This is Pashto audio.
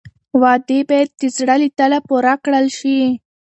وعدې باید د زړه له تله پوره کړل شي.